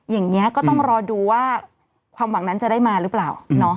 อย่างนี้ก็ต้องรอดูว่าความหวังนั้นจะได้มาหรือเปล่า